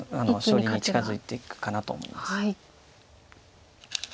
勝利に近づいていくかなと思います。